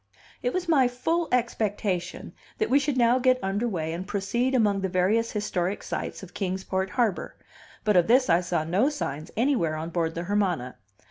It was my full expectation that we should now get under way and proceed among the various historic sights of Kings Port harbor, but of this I saw no signs anywhere on board the Hermana.